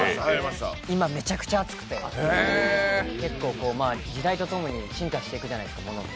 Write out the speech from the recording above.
今、めちゃくちゃ熱くて、結構時代とともに進化していくじゃないですか、物って。